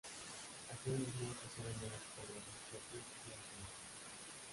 Así mismo, pusieron nuevos programas propios y alquilados.